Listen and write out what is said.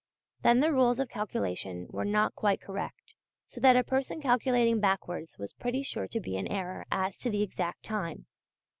Then the rules of calculation were not quite correct, so that a person calculating backwards was pretty sure to be in error as to the exact time.